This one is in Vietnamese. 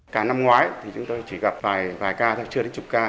cả năm ngoái thì chúng tôi chỉ gặp vài ca thôi chưa đến chục ca